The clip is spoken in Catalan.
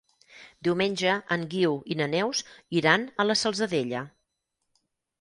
Diumenge en Guiu i na Neus iran a la Salzadella.